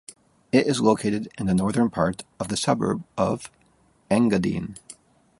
It is located in the northern part of the suburb of Engadine.